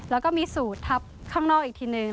แล้วก็มีสูตรทับข้างนอกอีกทีนึง